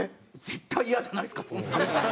絶対イヤじゃないですか。